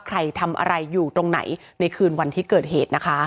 ใครทำอะไรอยู่ตรงไหนในคืนวันที่เกิดเหตุนะคะ